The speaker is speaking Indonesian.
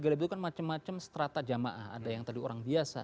enam puluh tiga ribu itu kan macam macam strata jamaah ada yang tadi orang biasa